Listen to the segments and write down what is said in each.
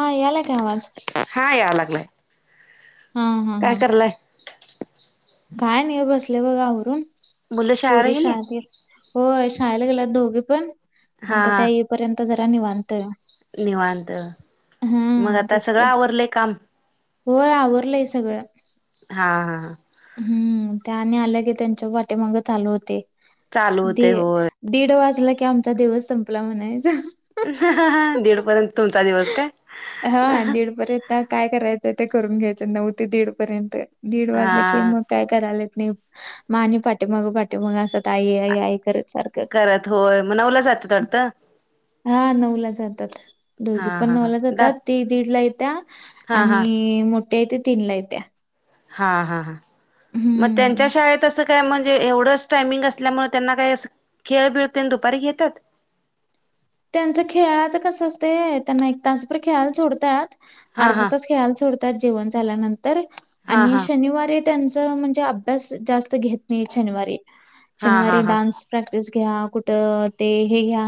हा यालाय का आवाज? हा या लागलाय. हा हा काय हा करलाय? काय नाही ओ. बसले बघा आवरून. मुलं शाळेला पोरी गेली? शाळत गेल्या. होय शाळेला गेल्यात दोघी पण. हा आता हा त्या पर्यंत जरा निवांतय. निवांत. मग आता तेच सगळं की आवरलंय काम? होय आवरलंय सगळं. हा हा. हम्म त्याने आल्या की त्यांच्या वाटेमाग चालू होतय. चालू ते होते होय. दीड वाजला की आमचा दिवस संपला म्हणायचा. दीड पर्यंत तुमचा दिवस काय? परत त्यात काय करायचंय ते करून घ्यायचं. नऊते दीड पर्यंत. दीड वाजले की हा मग काय करायले नी म आणि पाटी माग पाटी माग असंत, आई आई आई करत. सारखं करत होय. म नऊला जात्यात वाटत? हा नऊ ला जात्यात. दोघे हा पण हा हा नऊला दा जातात. ते दीड ला येत्या. हा हा आणि मोठ्याये ते तीन ला येत्या. हा हा हा. म त्यांच्या हम्म शाळेत अस काय म्हणजे एवढंच टायमिंग असल्यामुळे, त्यांना काय अस खेळ बिळ दुपारी घेतात. त्यांचं खेळाच कसं असतय. त्यांना एक तास भर खेळाल सोडत्यात. हा अर्ध हा तास खेळाल सोडतात. जेवण झाल्यानंतर. हा आणि हा शनिवारी त्यांच म्हणजे अभ्यास जास्त घेत नाही शनिवारी. हा हा शनवारी हा डान्स प्रॅक्टिस घ्या कुठं ते हे घ्या.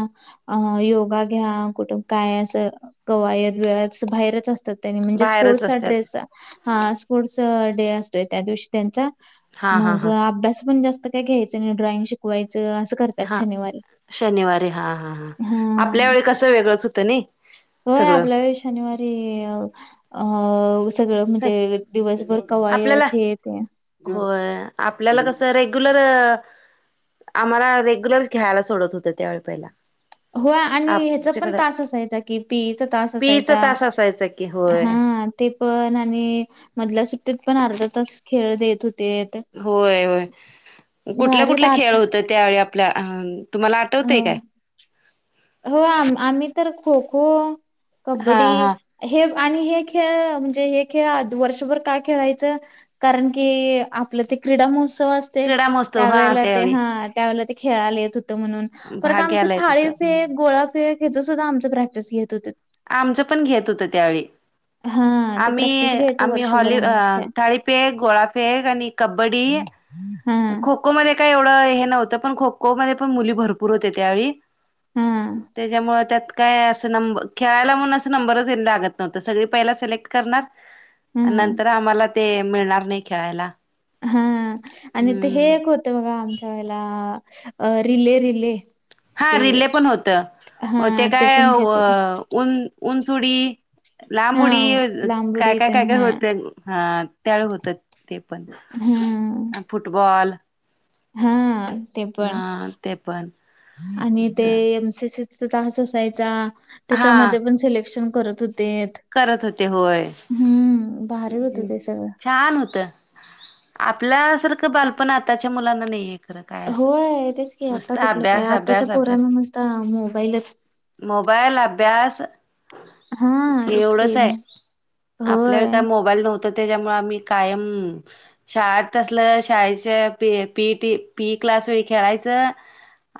अ योगा घ्या कुटं काय असं कवायत बिवायत असं बाहेरच असत्यात त्यांनी म्हणजे बाहेरच स्पोर्टसचा असत्यात. ड्रेस हा स्पोर्टस डे असतोय त्या दिवशी त्यांचा हा हा मग हा अभ्यास पण जास्त काय घ्यायचं नाही ड्रॉइंग शिकवायचं असं करत्यात हा शनिवारी शनिवारी हा हा हां हा आपल्या वेळी कसं वेगळंच होतं नाही होय सगळं आपल्या वेळी शनिवारी अं सगळं म्हणजे दिवसभर आपल्याला कवायत हे ते रेगुलर आम्हाला रेग्युलर खेळायला सोडत होतं त्यावेळी पहिला हो आणि ह्याचा पण आमच्याकडं तास असायचा कि पी इ चा तास पीचा असायचा तास असायचा की होय हा ते पण आणि मधल्या सुट्टीत पण अर्धा तास खेळ देत होतीत. होय होय कुठल्या कुठलं खेळ आता होतत. त्यावेळी आपल्या हा तुम्हाला हो. आठवतंय काय? हो आम आम्ही तर खो-खो, हा कबड्डी हा हे आणि हे खेळ म्हणजे हे खेळ वर्षभर काय खेळायचं? कारण की आपलं ते क्रीडा महोत्सव असतय क्रीडा महोत्सव हा त्यावेेळेला ते त्यावेळी हा त्यावेळेला ते खेळायला येत होतं म्हणून परत भाग आमचं घ्यायला येत होत थाळी गोळा फेक ह्याचं सुद्धा आमचं प्रॅक्टिस घेत होतीत. आमचं पण घेत होतं त्यावेळी हा आम्ही आम्ही हॉली अ थाळीफेक, गोळाफेक आणि कबड्डी हा हा खो-खो मध्ये काय एवढं हे नव्हतं पण खो-खो मध्ये पण मुली भरपूर होते त्यावेळी हां, त्याच्यामुळं त्यात काय असं नंबर खेळायला म्हणून अस नंबरच लागत नव्हतं सगळी पहिला सिलेक्ट करणार आणि हां. नंतर आम्हाला ते मिळणार नाही खेळायला. हा आणि ते हे हम्म एक होतं बघा आमच्या वेळेला रिले- रिले. हा ते रिले पण होतं, ते हां, काय पण घेत होते. अ उन उंचउडी लांब उडी हां, लांब काय- उडी काय -काय तेन -काय हां, होतं हा त्यावेळी हुतं. ते पण. हं... फुटबॉल हा ते पण हा ते पण आणि ते होत एम सी सी. चा तास असायचा, हा त्याच्यामध्ये पण सिलेक्शन करत होते. करत होते होय.... भारी होतं ते सगळं. छान होतं आपल्यासारखं बालपण आताच्या मुलांना नाही एक. होय तेच की, आता कुठलं काय अभ्यास आताच्या अभ्यास अभ्यास पोरामध्ये मस्त मोबाईलच मोबाईल, अभ्यास. हां, हे तेच की एवढंच हाय मग आपल्याला होय. काय मोबाईल नव्हतं त्याच्यामुळे आम्हीं कायम शाळेत असलं शाळेच्या P, P E T P E क्लासमध्ये खेळायचं,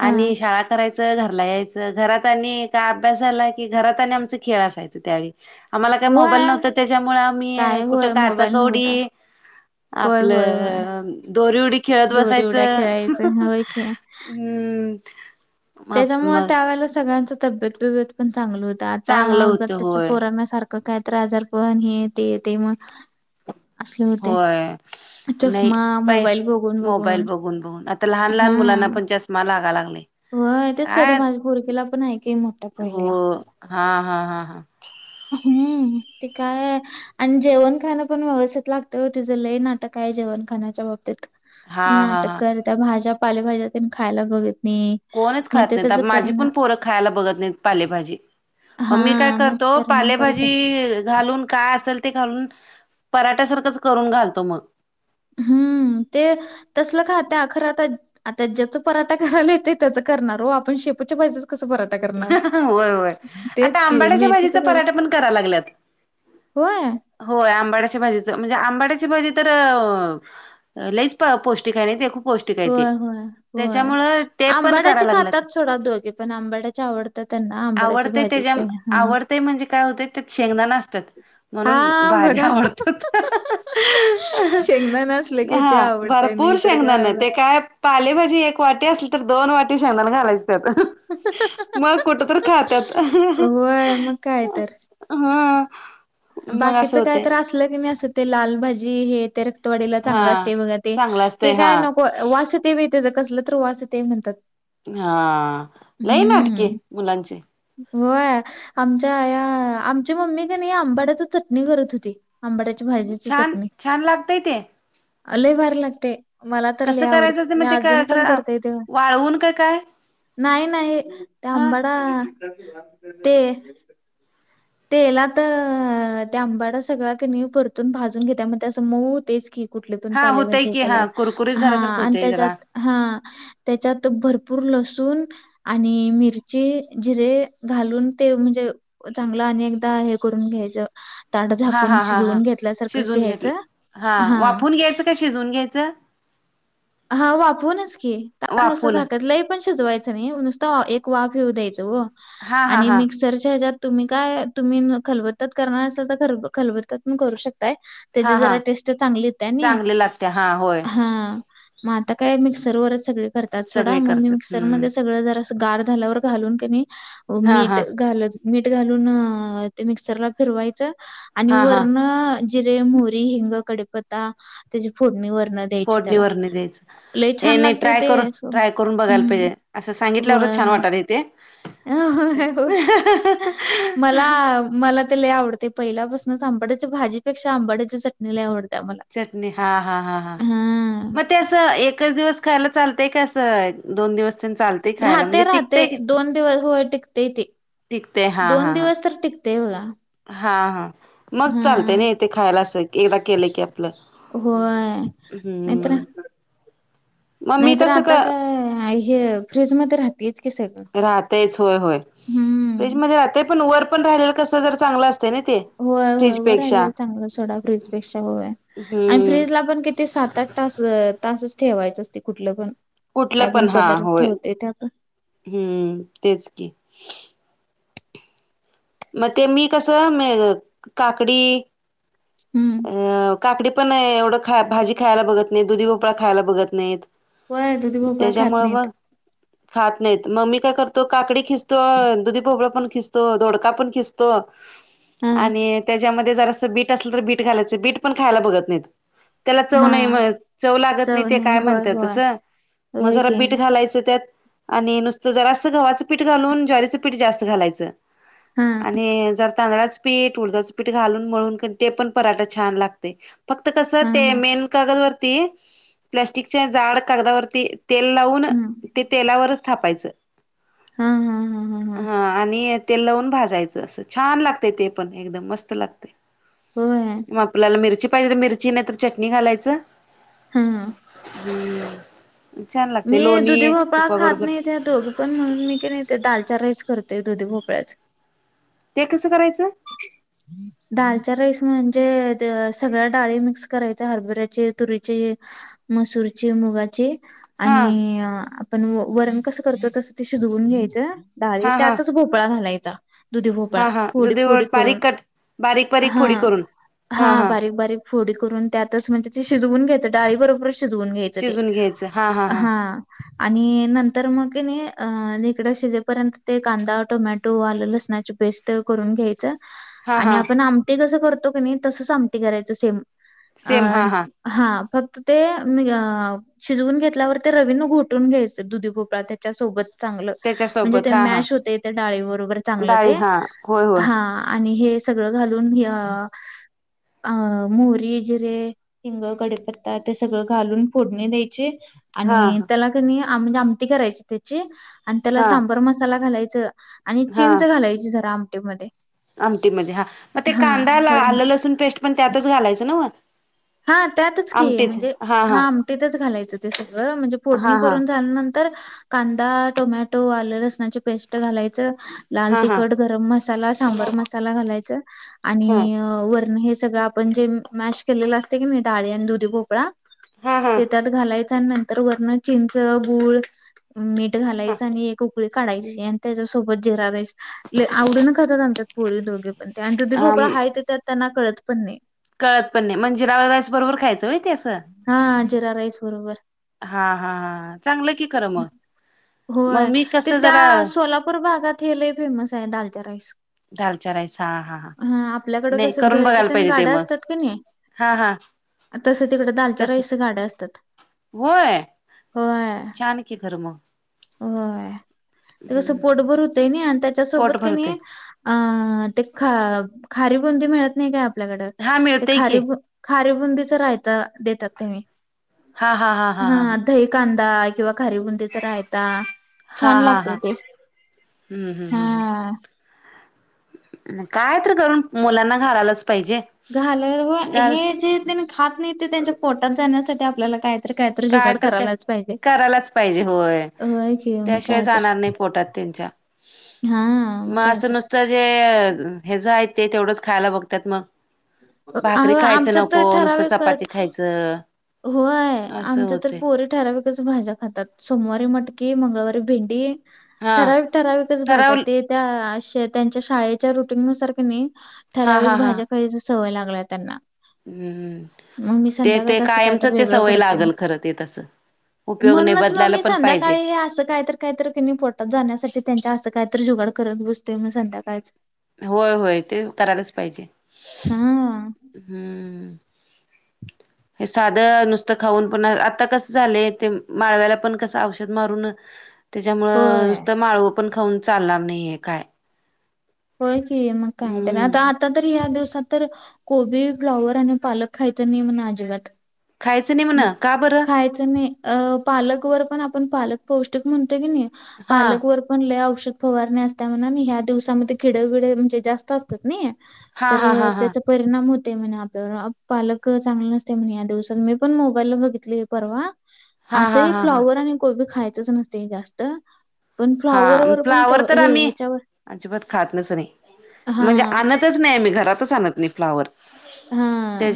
हां, आणि शाळा कराय च घरला यायचं घरात आणि का अभ्यास झाला की, घरात आणि आमचं खेळ असायचं त्यावेळी. आम्हांला काय मोबाईल होय. नव्हतं त्याच्यामुळं आम्ही काय कुठं होय मोबाईल नव्हता. काचा-कवडी होय, होय, होय. आपलं दोरी उडी खेळत दोरी उड्या बसायचं, खेळायचं होय की. हुं... त्याच्यामुळं त्यावेेळेला सगळ्यांच तब्येत बि-ब्येत पण चांगलं होतं आता चांगलं होतं आताच्या होय पोरांना सारखं का काय तर आजारपण हे ते येतंय मग. असले होते. होय. नाही चष्मा पा मोबाईल बघून मोबाईल बघून बघून आता लहान लहान हा मुलांना पण जास्त मला लागा लागलायं. होय तेच की आता माझ्या पोरगीला पण आहे की मोठ्या पोरगीला. हां हां हां हां. हम्म ते काय आणि जेवण खाणं पण व्यवस्थित लागतं ओ तिचं लय नाटक आहे जेवण खाण्याच्या बाबतीत. हा हा नाटक हा करत्या भाज्या पालेभाज्या तेन खायला बघत नाही. कोणच मग खात ते त्याचा नाहीत माझी पण परिणाम पोरं खायला बघत नाहीत पालेभाजी, मग हा मी काय मग ते करतो परिणाम करत पालेभाजी घालून काय असेल ते घालून पराठ्या सारखंच करून घालतो मग. हम्म ते तसलं खात्या खरं आता. आता ज्याचा पराठा करायला येतंय त्याच करणार हो आपण शेपूच्या भाजीचं कसं पराठा ठा करणार होय होय आता तेच की आंबाड्याच्या मेथीच भाजीचा कर पराठा पण कराय लागल्यात होय? होय आंबाड्याच्या भाजीचं म्हणजे आंबाड्याची भाजी तर लईच पौष्टिक आहे नाही ते खूप पौष्टिक आहे ते होय, होय, त्याच्यामुळं ते पण कराय लागल्यात. थोडा दोघे पण आंबड्याची आवडते. त्यांना आंबाड्याच्या आवडतंय त्याच्या भाजीचे हां. आवडतंय म्हणजे काय होतंय त्यात शेंगदाणे असतात. म्हणून हां, बघा. भाज्या आवडतात. शेंगदाणा असलं की ते हां आवडतंय भरपूर नाही तर शेंगदाण काय आवडत ते काय पालेभाजी एक वाटी असली तर दोन वाटी शेंगदाणे घालायचे त्याच्यात. [inaudible] मग कुठं तर खात्यात होय, मग काय हां. बाकीच काय तर असलं की नाही असं ते लालभाजी हे तर रक्त वाडीला हा चांगला असतंय बघा चांगलं असतय ते काय हा नको वास येतोय बाई त्याच कसलं तर वास येतंय म्हणतात. हां लई नाटकी हम्म मुलांची. होय आमच्या आया आमची मम्मी क नाही आंबड्या च चटणी करत होती आंबाड्याच्या भाजीची छान चटणी. छान लागतय ते लई भारी लागतंय मला तर लई कसं करायचं ते आवडतंय मी मग ते अजून काय पण खरं करतोय ते. वाळवून काय काय नाही नाही ते हा आंबाडा ते तेलात ते आंबाडा सगळा कणी परतून भाजून घेत्या मग ते असं मऊ होतयच की. कुठली पण हा होतय पालेभाजी हे की हा कुरकुरीत केल्यावर हां झाल्यासारखं आणि होतय जरा त्याच्यात हां त्याच्यात भरपूर लसूण आणि मिरची जिरे घालून ते म्हणजे चांगलं आणि एकदा हे करून घ्यायचं. ताट हा झाकून हा हा हा शिजवून घेतल्यासारखं शिजून घेतलं घ्यायचं हा हां वाफून घ्यायचं का शिजवून घ्यायचं? हां वाफवूनच की ताट नुसतं वाफून झाकायचं लई पण सिजवायच नाही नुसता एक वाफ येऊ द्यायच ओ हा हा आणि हा मिक्स र च्या हेच्यात तुम्ही काय तुम्ही खलबत्तात करणार असाल तर खलबत्तात पण करू शकताय. हा त्याची जरा हा टेस्ट चांगली येत्या नाही चांगले लागते हा होय हां. मग आता काय मिक्सरवरच सगळे करतात सोडा सगळे मग मी करतात हम्म मिक्सरमध्ये सगळं जरासं गार झाल्यावर घालून की नाही हा मीठ हा घाल मीठ घालून ते मिक्सरला फिरवायच. आणि हा हा वरण जिरे, मोहरी, हिंग, कडीपत्ता त्याची फोडणी वरण फोडणी वरन द्यायचं. हे नाही लागते ट्राय ते करून सो ट्राय करून बघायला हं. पाहिजे. असं सांगितल्यावरच होय, छान होय. वाटालयं ते. [inaudible] होय. हं हं हं हं मला अ मला ते लय आवडतयं. पहिल्यापासूनच आंबड्याच्या भाजीपेक्षा आंबड्याची चट लय आवडत्या मला. चटणी हा हा हा हा मग ते असं एकच दिवस खायला चालतय का? असं दोन दिवस चालतं. राहतयं, राहतयं दोन दिवस होय टिकतयं ते टिकतंय हा दोन हा हा दिवस तर टिकतयं. तेवला हा हा मग चालतयं ना ते खायला. असं एकदा केलं की? आपलं. होय. नाही तर हम्म मग मी नाहीतर कसं क आता काय? हे फ्रीज मध्ये राहतयचं की? सगळं तेच होय, होय फ्रीज हं. मधे राहतयं. पण वर पण राहिलं कस जरा चांगलं असतयं ना ते. होय होय वर फ्रीजपेक्षा राहिलेलं चांगला सोडा फ्रीजपेक्षा होयं. आणि हम्म फ्रीजला पण किती? सात आठ तास तासच ठेवायचं असते कुठलं पण? कुठलं काय पण हा पदार्थ होय ठेवतय त्यात. हम्म. तेच की मग ते मी कसं? म काकडी हम्म अ काकडी पण एवढं खाया भाजी खायला बघत नाही. दुधी पोपळा खायला बघत नाहीत. होय दुधी भोपळा खात त्याच्यामुळे नाहीत मग खात नाहीत. मी काय करतो? काकडी खिस तो दुधी भोपाळ पण खिसतो, दोडका पण खिस तो हा आणि त्याच्यामध्ये जरासाच असं बीट असलं तर बीट घालायचं बीट पण खायला बघत नाहीत. त्याला चव हा नाही म्हण चव लागत नाही. ते काय म्हणतेत तसं मग होय जरा की बीट घालायचं त्यात. आणि नुसतं जरास गव्हाचं पीठ घालून ज्वारीचं पीठ जास्त घालायचं. हा आणि मी जरा तांदळाच पीठ, उडदाचं पीठ घालून मळून ते पण पराठं छान लागतयं. फक्त कसं हा ते हा मेन कागदवरती प्लास्टिकच्या जाड कागदावरती. तेल लावून हम्म ते तेलावरचं थापायचं. हा हा हा [inaudible] हा आणि ते लावून भाज डाळीच असं छान लागतयं. ते पण एकदम मस्त लागतयं. होय [inaudible] मग आपल्याला मिरची पाहिजे, तर मिरची नाही तर चटणी घालायचं. हम्म [inaudible] छान लागते मी दुधी लोणी भोपळा खात तुपाबरोबर नाही. ते दोघ पण म्हणून मी का नाही. ते दालच्या राईस करते. दुधी भोपळ्याचं ते कसं करायचं? दालच्या राईस म्हणजे? सगळ्या डाळी मिक्स करायच्या हरभऱ्याची, तुरीची मसूरची, मुगाची हा आणि आपण वरण कसं करतो? तसं ते शिजवून घ्यायचं डाळी हा हा त्यातचं भोपळा घालायचा. दुधी भोपळा हा हा फोडी दुधी फोडी करून बारीक कट बारीक बारीक फोडी हां, करून हा हां हा बारी बारीक फोडी करून त्यातचं म्हणजे ते शिजवून घ्यायचं डाळी बरोबर. शिजवून घ्यायचं ते शिजून घ्यायचं हा हा हा हां. आणि नंतर मग नाही अ इकडे शिजेपर्यंत ते कांदा, टोमॅटो आलं लसणाची पेस्ट करून घ्याय हा हा आणि आपण आमटी कस करतो की नाही तसचं आमटी करायचं सेम सेम हा अं हा फक्त ते म शिजवून घेतल्यावर ते रवीनं घोटून घ्यायच दुधी भोपळा त्याच्यासोबतं चांगलं म्हणजे त्याच्यासोबत ते हा हा मॅश होतय ते डाळी बरोबर चांगलं डाळी ते हा होय होय हा आणि हे सगळं घालून अ मोहरी अं जिरे. हिंग, कडिपत्ता ते सगळं घालून फोडणी द्यायची. हा आणि त्याला कणी म्हणजे आमटी करायची त्याची आणि त्याला हा सांबार मसाला घालायचं. आणि हा चिंच घालायची जरा आमटीमध्ये आमटीमध्ये हा मग ते हां, कांदा आलं वरनं लसूण पेस्ट पण त्यातच घालायचं न्हवं? हा त्यातच कि आहे म्हणजे हा आमटीतच घालायचं ते सगळं म्हणजे हा फोडणी हा करून झाल्यानंतर तर कांदा, टोमॅटो, आलं लसनाची पेस्ट घालायचं. लाल हा हा तिखट, हा गरम मसाला, सांबर मसा ला घालायचं आणि वरणं हे सगळं आपण जे मॅश केललं अस तंय कणी डाळी आणि दुधी पोपळा हा हा हा ते त्या त घालायचं आणि नंतर वरणं चिंच, गूळ, मीठ घालायच आणि उ ळी काढायची आणि त्याच्या सोबत जिरा राईस आवडीनं खात्यात आमच्यात पोरी दोघी पण त्या आणि दुधी भोपळा हाय ते त्यात त्यांना कळत पण नाही. कळत पण नाही म जिरा राईस बरोबर खायचं होय ते? हां जिरा राईस बरोबर. हा हा हा चांगलं की खरं मग होय मग मी ते कसं जरा त्या सोलापूर भागात हे लई फेमस आहे दालच्या राईस दालच्या राईस हा हा हा हं आपल्याकडं नाही कसं करून भेळ चं बघायला तेन पाहिजे ते गाडं मग असतात कणी हा हा तसं तिक दालच्या तस राईसचं गाडं असत्यात. होय छान की खरं मग होय ते कसं पोटभर होतय नाही आणि पोट त्याच्यासोबत कणी भरते अं ते ख खारी बुंदी मिळत नाही काय आपल्याकडं हा ते मिळतेय की खारी बु खारीबुंदीचा रायता देतात तेनी हा दही कांदा किंवा खारीबुंदीचा रायता हा छान हा लागतय हा ते हम्म हम्म हां काय तर करून मुलांना घालायलाच पाहिजे. घालायला घाल हे जे त्यांनी खात नाही ते त्यांच्या पोटात जाण्यासाठी आपल्याला काय काय तर करायलाच पाहिजे होय की मग त्याशिवाय काय तर जाणार नाही पोटात त्यांच्या [inaudible] हा काय असं तर नुसतं जे हेज आहेत ते तेवढंच खायला बघत्यात मग भाकरी अहो खायचं आमच्यात तर नको नुसतं ठराविकच चपाती खायचं होय असं आमच्या तर होते पोरी ठराविकचं भाज्या खातात सोमवारी मटकी मंगळवारी भेंडी हा ठराविक ठराविकच भाज्या ठरवलं ते त्या अशा त्यांच्या शाळेच्या रुटीन नुसार क नाही हा हा ठराविक हा भाज्या खायचं सवय लागल्या त्यांना हम्म मग मी ते ते संध्याकाळच असं काय कायमच तर ते वेगळं सवय करतोय मग लागल खरं ते तसं उपयोग नाही म्हणूनच म बदलायला मी पण पाहिजे संध्याकाळी हे असं काय तर काहीतर कनी पोटात जाण्यासाठी त्यांच्या असं काहीतरी जुगाड करत बसतोय मग संध्याकाळचं होय, होय ते करायलाच पाहिजे हा हम्म हे साधं नुसतं खाऊन पण आता कसं झालंय ते माळव्याला पण कसं औषध मारून त्याच्यामुळ होय. नुसतं माळव पण खाऊन चालणार नाहीये काय हो की मग कायतर आता, हम्म आता तर या दिवसात तर कोबी, फ्लाॉवर आणि पालक खायचं नाही म्हण आजिबात खायचं नाही म्हण का बरं खायचं नाही अ पालकवर पण आपण पालक पौष्टिक म्हणतोय क नाही हा पालक वर पण लई औषध फवारणी असतय म्हण ह्या दिवसामध्ये किडे, बिडे म्हणजे जास्त अस तात नाई हा हा तर हा हा त्याच परिणाम होतय म्हणे आपल्यावर पालक चांगल नसते म्हणे या दिवसात मी मी पण मोबाईलला बघितले हे परवा हा हा असही हा हा फ्लॉवर आणि कोबी खायचंच नसत ते जास्त पण हा फ्लॉवरवर पण फ्लावर तर हे आम्ही ह्याच्यावर अजिबात खातच नाही हा म्हणजे आनतच नाही आमी घरातच आणत नाही फ्लावर हा त्याच्या